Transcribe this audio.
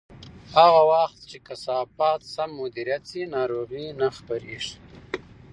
هغه وخت چې کثافات سم مدیریت شي، ناروغۍ نه خپرېږي.